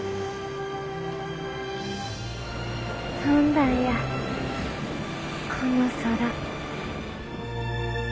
飛んだんやこの空。